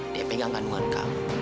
dia pegang kandungan kamu